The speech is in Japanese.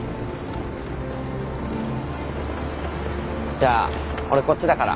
じゃあ俺こっちだから。